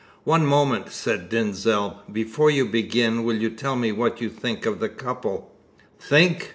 "One moment," said Denzil. "Before you begin, will you tell me what you think of the couple?" "Think!"